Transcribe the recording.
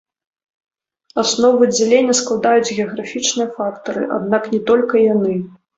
Аснову дзялення складаюць геаграфічныя фактары, аднак не толькі яны.